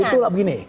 itu lah begini